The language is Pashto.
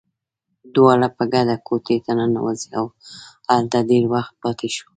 دواړه په ګډه کوټې ته ننوزو، او هلته ډېر وخت پاتې شو.